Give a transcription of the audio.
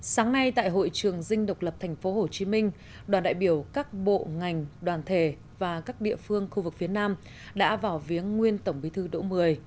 sáng nay tại hội trường dinh độc lập tp hcm đoàn đại biểu các bộ ngành đoàn thể và các địa phương khu vực phía nam đã vào viếng nguyên tổng bí thư đỗ mười